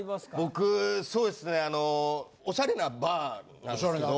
僕そうですねあのオシャレなバーなんですけど。